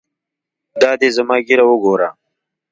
دا دى زما ږيره وګوره.